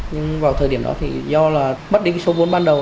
nhưng vào thời điểm đó thì do là bất định số vốn ban đầu